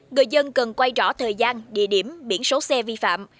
người dân cần quay rõ thời gian địa điểm biển số xe vi phạm